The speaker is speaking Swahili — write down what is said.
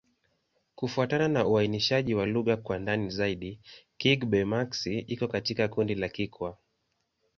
Kufuatana na uainishaji wa lugha kwa ndani zaidi, Kigbe-Maxi iko katika kundi la Kikwa.